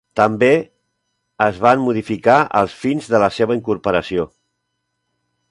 També es van modificar els fins de la seva incorporació.